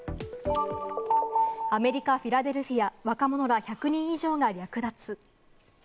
アメリカ・フィラデルフィア、若者ら１００人以上が略奪。